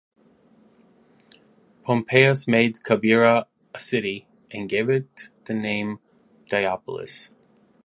Pompeius made Cabira a city, and gave it the name "Diopolis".